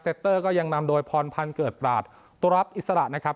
เตอร์ก็ยังนำโดยพรพันธ์เกิดปราศตุรับอิสระนะครับ